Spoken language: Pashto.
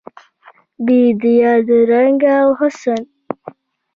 بیدیا د رنګ او حسن